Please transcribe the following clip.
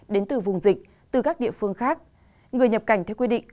đến từ vùng dịch từ các địa phương khác người nhập cảnh theo quy định